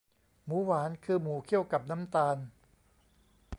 หมูหวาน คือหมูเคี่ยวกับน้ำตาล